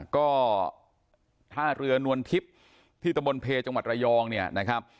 ก็ท่าเรือนวลทิพย์ที่ตะบนเพจังหวัดระยองเนี่ยนะครับ